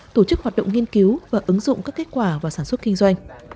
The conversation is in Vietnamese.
tổ chức hoạt động nghiên cứu và ứng dụng các kết quả vào sản xuất kinh doanh